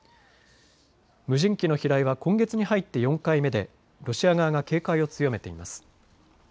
無人機の飛来は今月に入って４回目でロシア側が警戒を強めています。